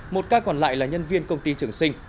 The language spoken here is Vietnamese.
một ca còn lại là nhân viên công ty trường sinh